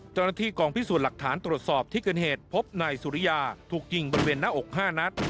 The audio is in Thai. เจ้าหน้าที่กองพิสูจน์หลักฐานตรวจสอบที่เกิดเหตุพบนายสุริยาถูกยิงบริเวณหน้าอก๕นัด